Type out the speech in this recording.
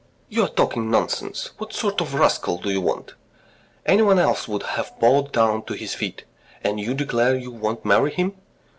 "You are talking nonsense. What sort of rascal do you want? Anyone else would have bowed down to his feet, and you declare you won't marry him.